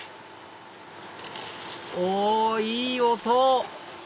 おいい音！